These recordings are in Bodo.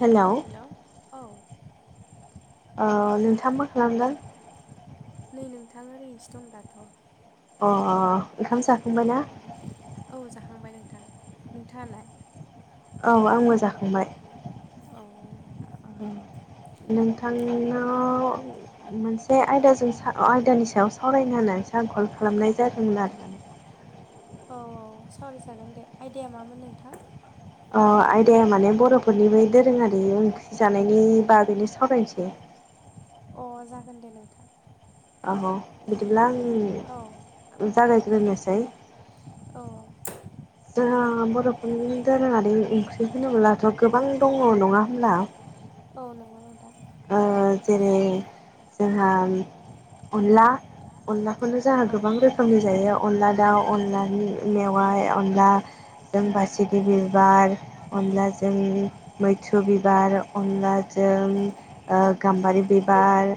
हेलौ हेलौ औ अ नोंथां मा खालामगोन नै नोंथां ओरैनोसो दं दाथ' अअ ओंखाम जाखांबाय ना [inaudible] औ जाखांबाय नोंथां नोंथाङालाय औ आंबो जाखांबाय अह ओम नोंथांनाव मोनसे आयदाजों सा आयदानि सायाव सावरायनो होननानै सो आं खल खालामनाय जादोंमोन आरो औ औ सावरायजागोन दे आयदाया मामोन नोंथां अ आयदाया माने बर'फोरनि बै दोरोङारि ओंख्रि जानायनि बागैनो सावरायनिसै अ जागोन दे नोंथां औऔ बिदिब्ला आं औ जागायग्रोनोसै औ [inaudible] जोंहा बर'फोरनि दोरोङारि ओंख्रि होनोब्लाथ' गोबां दङ नङा होमब्ला औ नंगौ नोंथां ओ जेरै जोंहा अनला अनलाखौनो जोंहा औ गोबां रोखोमनि जायो अनला दाउ अनलानि मेवाइ अनला दों बासिगि बिबार अनलाजों मैथ्रु बिबार अनलाजों ओ गाम्बारि बिबार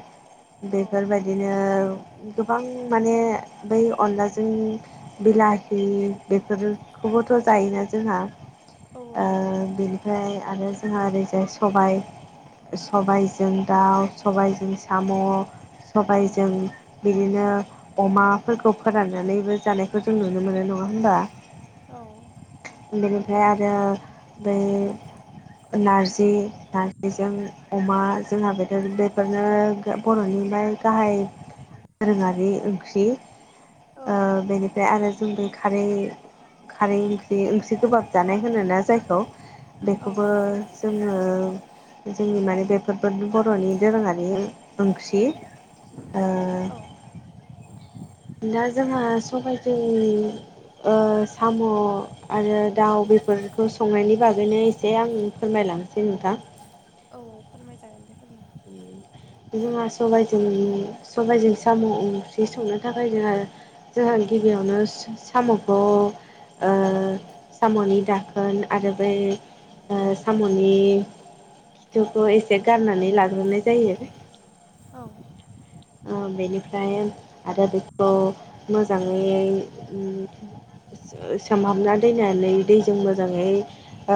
औ बेफोरबायदिनो गोबां माने बै अनलाजों बिलाहि बेफोरखौबोथ' जायोना जोंहा औ ओ बेनिफ्राय आरो जोंहा ओरैजाय सबाय सबाय जों दाउ सबायजों साम' औ सबायजों बिदिनो अमाफोरखौ फोराननानैबो जानायखौ जों नुनो मोनो नङा होमबा औ बेनिफ्राय आरो बै नारजि नारजिजों अमा जोंहा बेनो बेफोरनो बर'नि गाहाय दोरोङारि ओंख्रि ओ औ बेनि ओमफ्राय आरो जों बे खारै खारै ओंख्रि ओंख्रि गोबाब जानाय होनोना जायखौ औ बेखौबो जोङो जोंनि माने बे फोरबो बर'नि दोरोङारि ओंख्रि [inaudible] दा जोंहा सबायजों ओ साम' आरो दाउ बेेफोरखौ संनायनि बागैनो एसे आं फोरमायलांसै नोंथां औ फोरमाय जागोन दे फोरमाय जोंहा सबायजों सबायजों साम' ओंख्रि संनो थाखाय जोंहा जोंहा गिबियावनो साम'खौ ओ साम'नि दाखोन आरो बै ओ साम'नि खिथुखौ एसे गारनानै लाग्रोनाय जायो औ [inaudible] आ बेनिफ्राय आरो बेखौ मोजाङै उम सो सोमहाबना दोननानै दैजों मोजाङै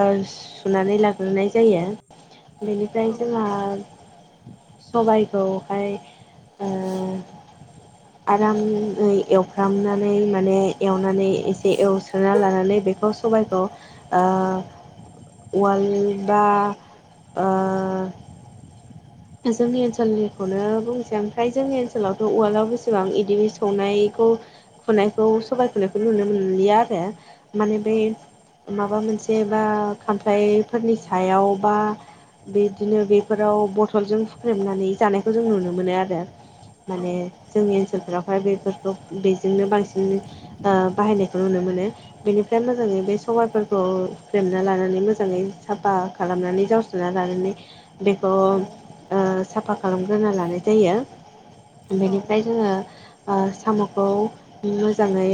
आ सुनानै लाग्रोनाय जायो बिनिफ्राय औ जोंहा सबायखौहाय ओ आरामै एवफ्रामनानै माने एवनानै एसे एवस्रोना लानानै बेखौ सबाइखौ ओ उवालदा ओ औ [inaudible] जोंनि ओनसोलनिखौनो बुंसै ओमफ्राय जोंनि ओनसोलावथ' औ उवालाव बेसेबां इदि संनायखौ खुनायखौ सबाय खुनायखौ नुनो मोनलिया आरो माने औ बे माबा मोनसे बा खामफ्लाइफोरनि सायाव बा बेदिनो बेफोराव बथ थलजों फुख्रेमनानै जानायखौ जों नुनो मोनो आरो माने जोंनि ओनसोलफोरावहाय बेफोरखौ बेजोंनो बांसिन ओ बाहायनायखौ नुनो मोनो बिनिफ्राय मोजाङै बे सबायाइफोरखौ फेमना लानानै मोजाङै साफा खालामनानै जावस्रोना लानानै बेखौ ओ साफा खालामग्रोना लानाय जायो बेनिफ्राय जोङो आ साम'खौ मोजाङै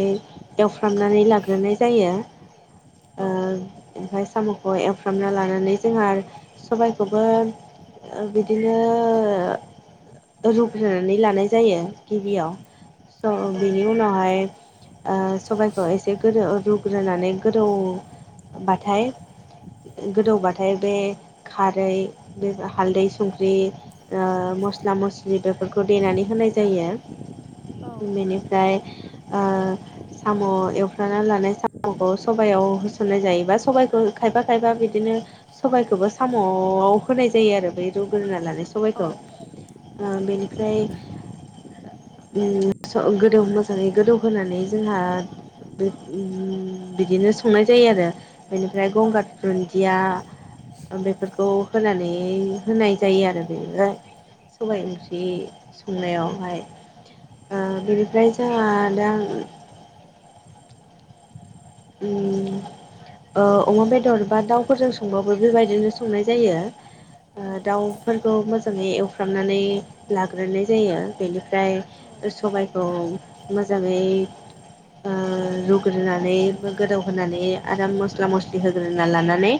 एवफ्रामनानै लाग्रोनाय जायो ओ ओमफ्राय साम'खौ एवफ्रामना लानानै जोंहा आर सबायखौबो बि बिदिनो रुग्रोनानै लानाय जायो गिबियाव [unintelligible] बिनि उनावहाय ओ सबायखौ एसे गोदौ रुग्रोनानै गोदौबाथाय [unintelligible] गोदौबाथाय बे खारै बे हालदै संख्रि ओ मस्ला मस्लि बेफोरखौ देनानै होनाय जायो औ बिनिफ्राय आ साम' एवफ्राना लानाय जा मखौ सबायाव होसननाय जायोबा बा सबाइखौ खायफा खायबा बिदिनो सबायखौबो साम'आव होनाय जायो आरो बे रुग्रोना लानाय औ सबायखौ आ बेनिफ्राय [inaudible] उम स गोदौ मोजाङै गोदौ होनानै जोंहा उम बिदिनो संनाय जायो आरो बेनिफ्राय गंगार होननानै दुन्दिया बेफोरखौ होनानै होनाय जायो आरो [unintelligible] बुंगासिनो सबाइ ओंख्रि संनायावहाय आ बिनिफ्राय जाहा दा उम ओ अमा बेदर बा दाउफोरजों संबाबो बेबायदिनो संनाय जायो। ओ दाउफोरखौ मोजाङै एवफ्रामनानै लाग्रोनाय जायो बेनिफ्राय लाबोनाय जायो सबायखौ मोजाङै ओ रुग्रोनानै गोदौ होनानै आराम मस्ला मस्लि होग्रोना लानानै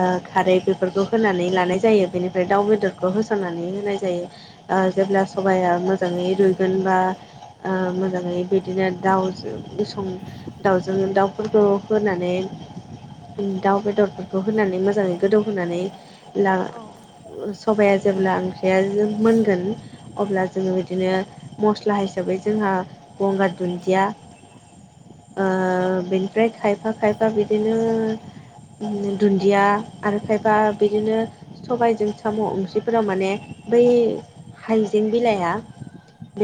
ओ खारै बेफोरखौ होनानै लानाय जायो बिनिफ्राय दाउ बेदरखौ होसननानै होनाय जायो ओ जेब्ला सबाया मोजाङै बेनिफ्राय रुय जेब्ला गोन सबाया मोजाङै बा रुइगोनबा ओ मोजाङै बिदिनो दाउजों सं दाउजों जोङो दाउफोरखौ होनानै दाउ बेदरफोरखौ होनानै मोजाङै गोदौ होनोनानै ला अब्ला आथिखालावबो माने मबाइलाव फ्राय देनायखौ नुनो मोनला जेनेबा गोदोनिफ्राय स सबाया जेब्ला ओंख्रिया मोनगोन। अब्ला जोङो बिदिनो मस्ला हिसाबै जोंहा गंगार दुन्दिया। [unintelligible] [inaudible] ओ बिनिफ्राय खायफा-खायफा बिदिनो दुन्दिया आरो खायबा बिदिनो सबायाइजों साम' ओंख्रिफोराव माने बै हाइजें बिलाइआ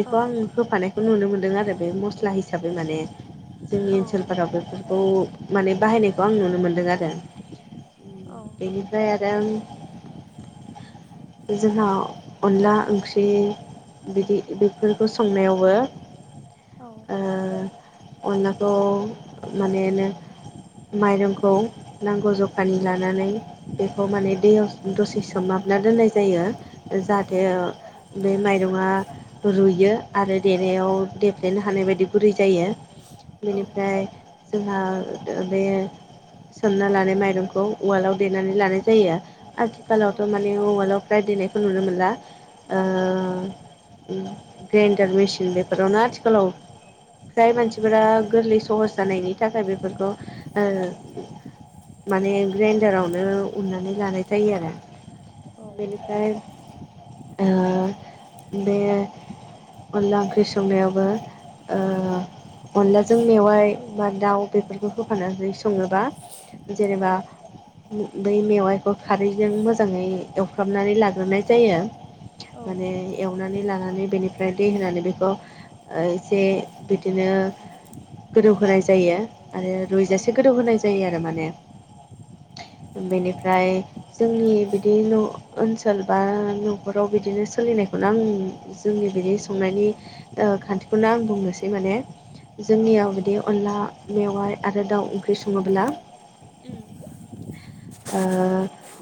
बेखौ आं होफानायखौ नुनो मोनदों आरो बे मस्ला हिसाबै माने। जोंनि ओनसोलफोराव बेफोरखौ माने बाहायनायखौ आं नुनो मोनदों आरो। बेनिफ्राय आरोम [inaudible] [unintelligible] जोंहा अनला ओंख्रि बिदि बेफोरखौ संनायाववो जोंनि ओ अनला खौ माने नो माइरंखौ नांगौ जखानि लानानै। बेखौ माने दैयाव दसे सोमाबना दोननाय जायो जाहाथेओ बिदिनो बे माइरङा रुयो आरो देनायाव देफ्लेनो हानाय बायदि गुरै जायो। [inaudible] [unintelligible] बेनिफ्राय जोंहा बे सोमना लानाय माइरंखौ उवालाव देनानै लानाय जायो। आथिखालावथ' ओनसोल माने उवालाव फ्राय देनायखौ नुनो मोनला। ओ उम ग्राइन्डार मेसिन बेफोरावनो आथिखालाव फ्राय मानसिफोरा गोरलै सहस जानायनि थाखाय बेफोरखौ ओ [inaudible] [unintelligible] माने ग्राइन्डारावनो उननानै लानाय जायो आरो। बेनिफ्राय ओ बे अनला ओंख्रि संनायावबो ओ अनला जों मेवाइ बा दाउ बेफोरखौ होफानानै सङोबा जेनेबा बै मेवाइखौ खारैजों मोजाङै एवफ्रामनानै लाग्रोनाय जायो। माने एवनानै लानानै बेनिफ्राय दै होनानै बेखौ ओ एसे बिदिनो [inaudible] [unintelligible] गोदौ होनोनाय जायो आरो रुयजासे गोदौ होनाय जायो आरो माने। बेनिफ्राय जोंनि बिदि न' ओनसोल बा न'खराव बिदिनो बिदिनो सोलिनाय गोबां सोलिनायखौनो जोंनि आं संनायनि जोंनि बिदि संनायनि ओ खान्थिफोरा खान्थिखौनो आं बुंनोसै माने जोंनियाव आंनिजों बिदि अनला मेवाय आरो दाउ ओंख्रि सङोबोला। उम ओ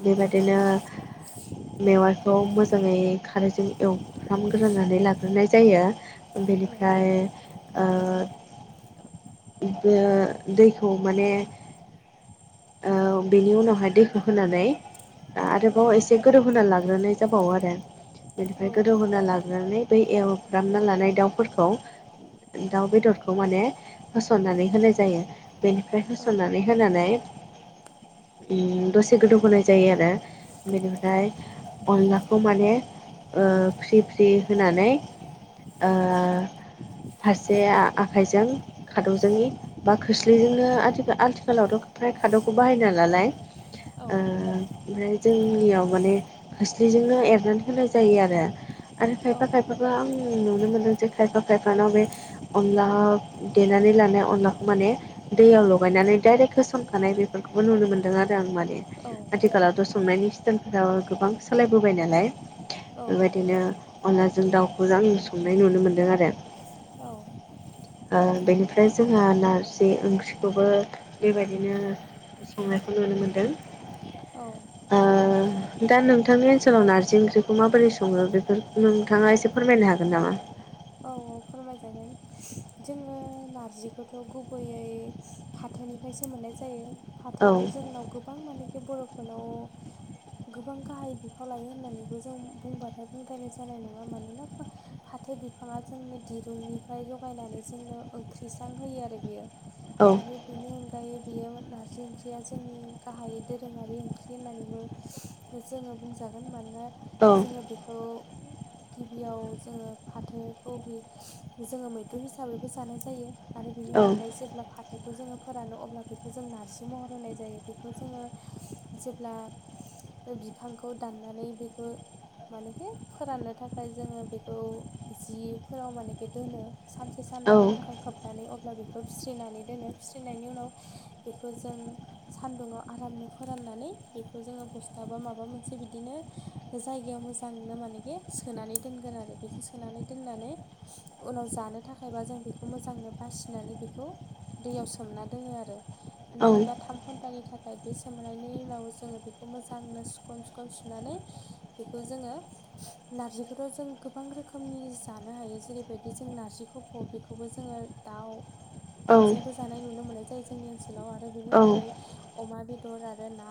बेबायदिनो [inaudible] [unintelligible] मेवाइखौ मोजाङै खारैजों एवफ्रामग्रोनानै लाग्रोनाय जायो। जोंनि बेनिफ्राय ओ बेओ दैखौ माने ओ बेनि उनाव फाय दैखौ होनानै औ आरोबाव एसे गोदौ होना लाग्रोनाय जाबावो आरो। औ बेनिफ्राय गोदौहोना लाग्रोनानै बै एवफ्रामना लानाय दाउफोरखौ दाउ बेदरखौ माने होसननानै होनाय जायो बेनिफ्राय होसननानै होनानै उम दसे गोदौ होनाय जायो आरो बेनिफ्राय अनला खौ माने ओ फ्रि-फ्रि होनानै ओ फारसे आ-आखाइजों खादौजोंनि बा खोस्लिजोंनो आथिखा आथिखालावथ फ्राय खादौखौ बाहायला नालाय। ओ ओमफ्राय जोंनियाव माने खोस्लिजोंनो एरनानै होनाय जायो आरो आरो औ खायफा-खायफा [unintelligible] आं नुनो मोनदों जे खायफा - खायफानाव बे अनला देनानै लानाय अनलाखौ माने दैयाव लगायनानै डाइरेक्ट होसनखानाय बेफोरखौबो नुनो मोन्दों आरो। मोजां माने आथिखालावथ संनायनि सिटाइलफोरा गोबां सालायबोबाय नालाय। औ बेबायदिनो अनलाजों दाउखौ आं संनाय नुनो मोनदों आरो। औ। ओ बेनिफ्राय जोंहा नारजि ओंख्रिखौबो बेबायदिनो संनायखौ नुनो मोनदों। औ। ओ दा नोंथांनि ओनसोलाव नारजि ओंख्रिखौ माबोरै सङो बेफोरखो नोंथाङा एसे फोरमायनो हागोन नामा? औ औ फोरमायजागोन जोङो नारजिखौथ' गुबैयै फाथोनिफ्रायसो मोननाय जायो। औ फाथोआ जोंनाव [unintelligible] गोबां मानेखि बर'फोरनाव गोबां गाहाय बिफाव लायो होननानैबो जों बुंबाथाय बुंद्रायनाय जानाय नङा। मानोना फाथो [unintelligible] बिफाङा जोंनो दिरुंनिफ्राय जगायनानै जोंनो ओंख्रिसां होयो आरो बियो औ आरो बेनि अनगायै बियो नारजि ओंख्रिया जोंनि गाहायै दोरोङारि ओंख्रि होननानैबो जोङो बुंजागोन मानोना औ जोङो बेखौ गिबियाव जोङो [unintelligible] [unintelligible] जोङो मैद्रु हिसाबैबो जानाय जायो आरो बेनि औ अनगायै जेब्ला [unintelligible] फाथोखौ जोङो फोरानो अब्ला बेखौ जों नारजि महर होनाय जायो बेखौ जोङो जेब्ला बिफांखौ दाननानै बेखौ मानेखि फोराननो थाखाय जोङो बेखौ जिफोराव मानेखि दोनो सानसे औ साननैनि थाखाय खोबनानै [unintelligible] अब्ला बेखौ फिस्रिनानै दोनो। फिस्रिनायनि उनाव बेखौ जों सानदुुंआव आरामनो फोराननानै बेखौ जोङो बस्थाबा माबा मोनसे बिदिनो जायगायाव मोजांनो मानेखि सोनानै दोनगोन आरो बेखौ सोनानै दोननानै उनाव जानो थाखायबा जों बेखौ मोजांनो बासिनानै बेखौ दैयाव सोमना दोनो आरो नै बा थाम घन्टानि थाखाय ओमफ्राय बे सोमनायनि उनाव जोङो बेखौ मोजांनो सुखन- सुखन सुनानै बेखौ जोङो नारजिखौथ' जों गोबां रोखोम रोखोमनि जानो हायो जेरैबायदि जों नारजिफोरखौ बेखौबो जोङो दाउ औ दावजोंबो जानाय नुनो मोननाय जायो जोंनि ओनसोलाव आरो बेनि औ अनगायै अमा बेदर आरो ना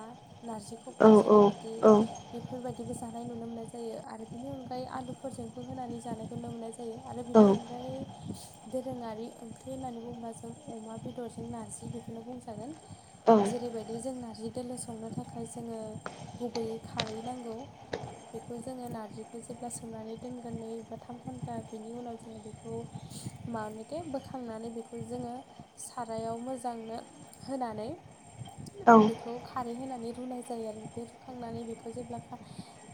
नारजि खफ औ औ जेरैबायदि बेफोरबायदिबो जानाय नुनो मोननाय जायो आरो बेनि अनगायै आलुफोरजोंबो होनानै जानायखौ नुनो मोननाय जायो। जायो आरो बेनि अनगायै [unintelligible] दोरोङारि ओंख्रि होननानै बुंङोब्ला जों अमा बेदरजों नारजि बेखौनो बुंजागोन। जेरैबायदि जों नारजि दोलो संनो थाखाय जोङो गुबैयै खारै नांगौ। बेखौ जोङो नारजिखौ जेब्ला सोमनानै [unintelligible] नै बा थाम घन्टा बिनि उनाव जोङो बेखौ मानिखे बोखांनानै बेखौ जोङो सारायाव मोजांनो होनानै बेखौ [unintelligible] खारै होनानै रुनाय जायो आरो बे रुखांनानै बेखौ जेब्ला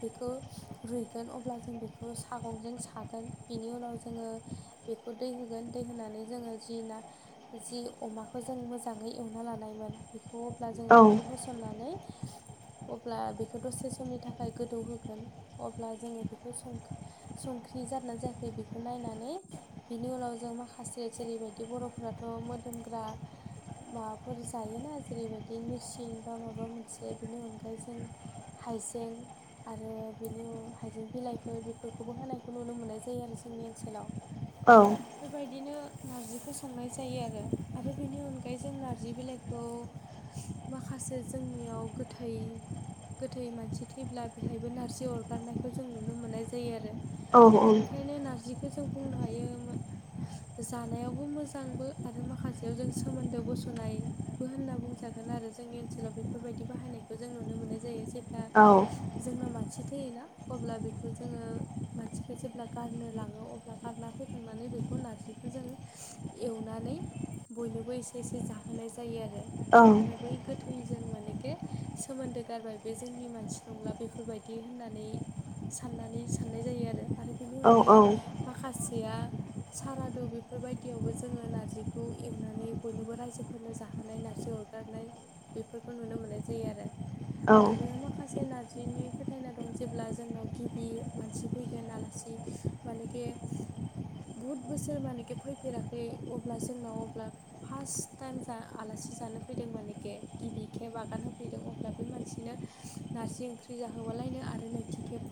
बेखौ रुइगोन अब्ला जों बेखौ सागंजों सागोन बेनि उनाव जोङो बेखौ दै होगोन दै होनानै जोङो जि ना जि अमाखौ जों मोजाङै एवना लानायमोन बेखौ अब्ला जोङो बेखौ होसनानै अब्ला बेखौ दसे समनि थाखाय गोदौहोगोन अब्ला जोङो बेखौ [unintelligible] संख्रि जादोंना जायाखै बेखौ नायनानै बिनि उनाव जों माखासे जेरैबायदि बर' [unintelligible] मोदोमग्रा माबाफोर जायोना जेरैबायदि निरसिं बा माबा मोनसे बेनि अनगायै जों हाइजें आरो बेनि हाइजें बिलाइफोर बेखौबो होनायखौ नुनो मोननाय जायो आरो जोंनि ओनसोलाव औ बेफोरबायदिनो नार्जिखौ संनाय जायो आरो आरो बेनि अनगायै जों नार्जि बिलाइखौ माखासे जोंनियाव गोथै गोथै मानसि थैब्ला बेहायबो नारजि अरगारनायखौ जों नुनो मोननाय जायो आरो बेनिखायनो नार जिखौ जों बुंनो हायो जानायावबो मोजांबो आरो माखासे याव जों सोमोन्दो बस'नायबो होनना बुंजागोन आरो जोंनि ओनसोलाव बेफोरबायदि बाहायनायखौ जों नुनो मोननाय जायो जेब्ला औ जोंना मानसि थैयोना अब्ला बेखौ जों जोङो मानसिखौ जेब्ला गारनो लाङो अब्ला गारना फैखांनानै बेखौ नारजि जों एवनानै बयनोबो एसे एसे जाहोनाय जायो आरो औ अब्लाथाय बै गोथैजों मानेखे सोमोन्दो गारबाय बे जोंनि मानसि नंला बेफोरबायदि होननानै साननानै साननाय जायो आरो बिनि औ अनगायै औ माखासेया सारादु बेफोरबायदियावबो जोङो नार्जिखौ एवनानै बयनिबो रायजोफोरनो जा नाय नार्जि अरगारनाय बेफोरखौ नुनो मोननाय जायो आरो औ आरो माखासे नारजिनि फोथायनाय दं जेब्ला जोंनाव गिबि मानसि फैगोन आलासि मानेखे बुहुद बोसोर मानेखे फैफेराखै अब्ला जोंनाव अब्ला फार्स्ट टाइम जा आलासि जानो होफैदों मानेखे गिबि खेब आगान होफैदों अब्ला बे मानसिनो नारजि ओंख्रि फुजा होबालायनो आरो नैथि खेब